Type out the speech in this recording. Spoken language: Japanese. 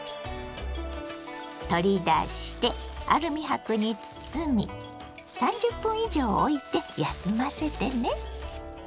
取り出してアルミ箔に包み３０分以上おいて休ませてね。